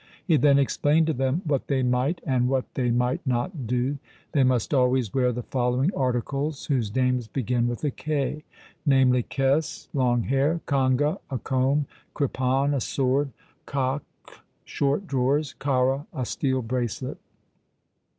He then explained to them what they might and what they might not do. They must always wear the following articles whose names begin with a K, namely, kes, long hair ; kangha, a comb ; kripan, a sword ; kachh, short drawers ; kara, a steel bracelet.